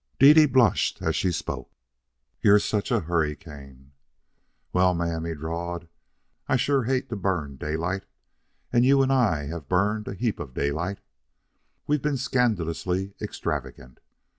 Dede blushed as she spoke. "You are such a hurricane." "Well, ma'am," he drawled, "I sure hate to burn daylight. And you and I have burned a heap of daylight. We've been scandalously extravagant.